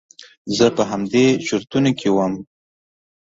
زه په همدې چرتونو کې وم.